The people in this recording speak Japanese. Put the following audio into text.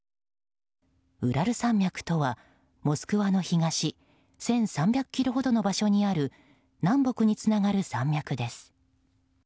ウラル山脈とは、モスクワの東１３００ｋｍほどの場所にある南北につながる山脈です。